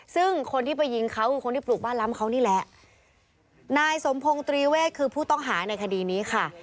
ซึ่งคนที่ไปยิงเขาคือคนที่ปลูกบ้านล้ำเขานี่แหละนายสมพงศ์ตรีเวทคือผู้ต้องหาในคดีนี้ค่ะ